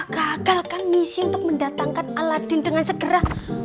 gagal kan misi untuk mendatangkan aladin dengan segera